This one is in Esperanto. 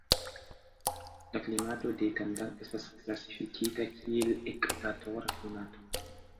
La klimato de Tandag estas klasifikita kiel ekvatora klimato.